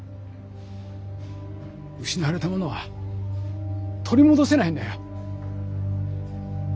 失われたものは取り戻せないんだよ。